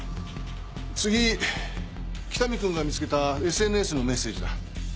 次北見君が見つけたＳＮＳのメッセージだ。